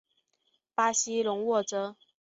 巴西隆沃泽。